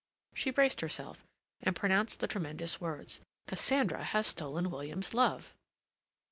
She braced herself, and pronounced the tremendous words: "Cassandra has stolen William's love."